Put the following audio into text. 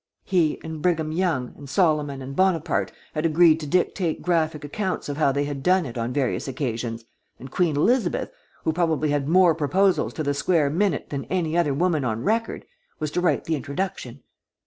He and Brigham Young and Solomon and Bonaparte had agreed to dictate graphic accounts of how they had done it on various occasions, and Queen Elizabeth, who probably had more proposals to the square minute that any other woman on record, was to write the introduction.